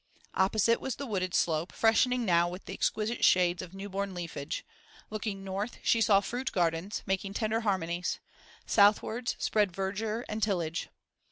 Opposite was the wooded slope, freshening now with exquisite shades of new born leafage; looking north, she saw fruit gardens, making tender harmonies; southwards spread verdure and tillage.